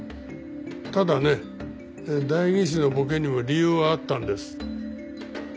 ただね代議士のボケにも理由はあったんです。